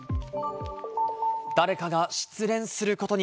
誰かが失恋することに。